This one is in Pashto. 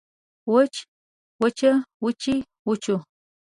وچ وچه وچې وچو